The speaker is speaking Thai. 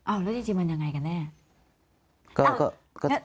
แล้วจริงมันยังไงกันแน่